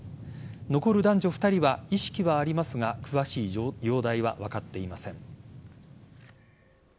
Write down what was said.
残る男女２人は意識はありますが詳しい容体は分かっていません。